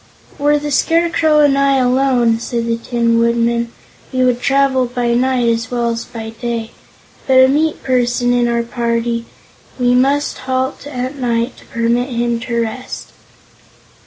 "Were the Scarecrow and I alone," said the Tin Woodman, "we would travel by night as well as by day; but with a meat person in our party, we must halt at night to permit him to rest."